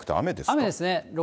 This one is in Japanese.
雨ですね。